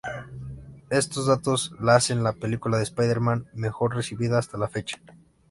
Estos datos la hacen la película de Spider-Man mejor recibida hasta la fecha.